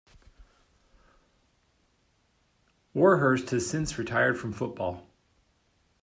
Warhurst has since retired from football.